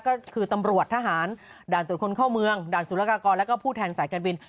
ก็คือตำรวจทหารด่านตรวจคนเข้าเมืองด่านสุรกากรแล้วก็ผู้แทนสายการบิน